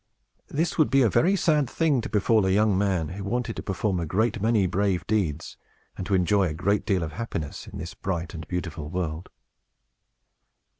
This would be a very sad thing to befall a young man who wanted to perform a great many brave deeds, and to enjoy a great deal of happiness, in this bright and beautiful world.